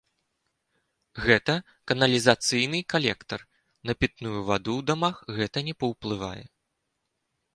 Гэта каналізацыйны калектар, на пітную ваду ў дамах гэта не паўплывае.